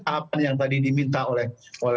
apa yang tadi diminta oleh